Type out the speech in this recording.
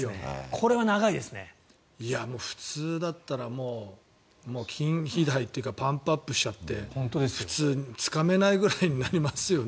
普通だったら筋肥大というかパンプアップしちゃってつかめないぐらいになりますよね。